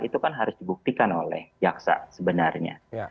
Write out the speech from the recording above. itu kan harus dibuktikan oleh jaksa sebenarnya